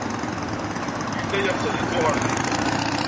Yella yeɣs ad yeddu ɣer din.